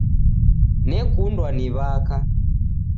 Nekundwa ni w'aka